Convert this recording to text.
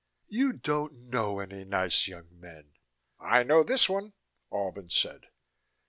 "You don't know any nice young men." "I know this one," Albin said.